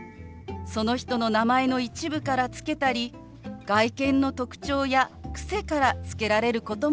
その人の名前の一部から付けたり外見の特徴や癖から付けられることもあります。